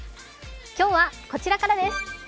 今日はこちらからです。